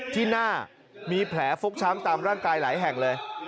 ที่หน้ามีแผลฟกช้ำตามร่างกายหลายแห่งเลย